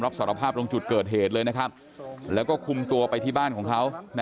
รับสารภาพตรงจุดเกิดเหตุเลยนะครับแล้วก็คุมตัวไปที่บ้านของเขา